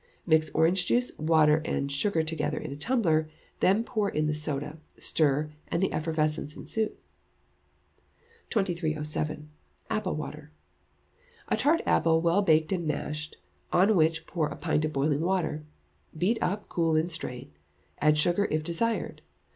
Mix orange juice, water, and sugar together in a tumbler, then put in the soda, stir, and the effervescence ensues. 2307. Apple Water. A tart apple well baked and mashed, on which pour a pint of boiling water. Beat up, cool, and strain. Add sugar if desired.